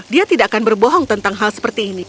dia tidak akan berbohong tentang hal seperti ini